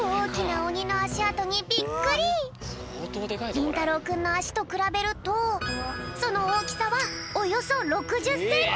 りんたろうくんのあしとくらべるとそのおおきさはおよそ６０センチ！